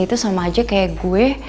itu sama aja kayak gue